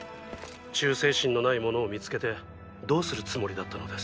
忠誠心のない者を見つけてどうするつもりだったのです？